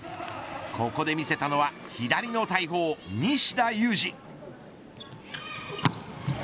ここで見せたのは左の大砲西田有志。